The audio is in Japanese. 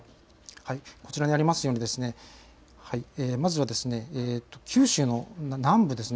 こちらにあるようにまずは九州の南部です。